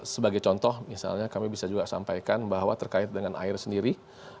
sebagai contoh misalnya kami bisa juga sampaikan bahwa terkait dengan air sendiri